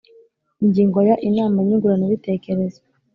Ingingo ya Inama nyunguranabitekerezo